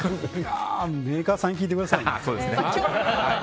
メーカーさんに聞いてください。